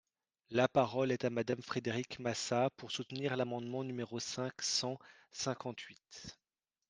La parole est à Madame Frédérique Massat, pour soutenir l’amendement numéro cinq cent cinquante-huit.